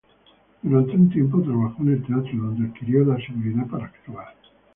Durante un tiempo trabajó en el teatro, donde adquirió la seguridad para actuar.